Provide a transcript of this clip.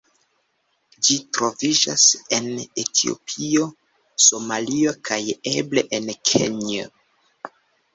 Ĝi troviĝas en Etiopio, Somalio, kaj eble en Kenjo.